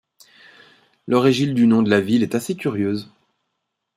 L'origine du nom de la ville est assez curieuse.